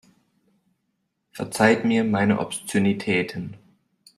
Verzeiht mir meine Obszönitäten.